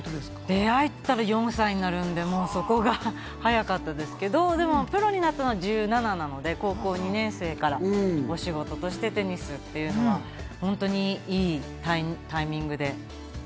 出会いって言ったら４歳になるので、そこが早かったですけど、プロになったのは１７なので、高校２年生から仕事としてテニスっていうのは本当にいいタイミングで。